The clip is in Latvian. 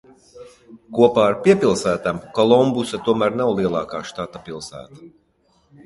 Kopā ar piepilsētām Kolumbusa tomēr nav lielākā štata pilsēta.